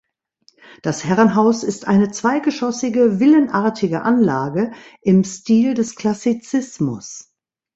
Das Herrenhaus ist eine zweigeschossige villenartige Anlage im Stil des Klassizismus.